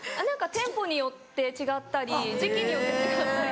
店舗によって違ったり時期によって違ったり。